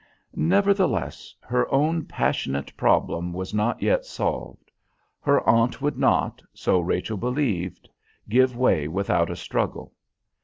Nevertheless, her own passionate problem was not yet solved. Her aunt would not, so Rachel believed, give way without a struggle.